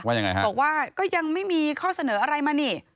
ยังไงฮะบอกว่าก็ยังไม่มีข้อเสนออะไรมานี่